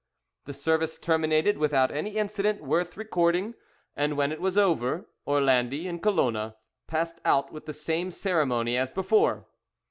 The service terminated without any incident worth recording; and when it was over, Orlandi and Colona passed out with the same ceremony as before.